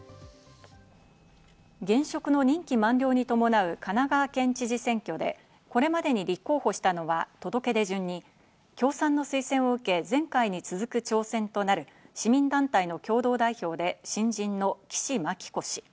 現職の任期満了に伴う神奈川県知事選挙で、これまでに立候補したのは届け出順に共産の推薦を受け、前回に続く挑戦となる市民団体の共同代表で新人の岸牧子氏。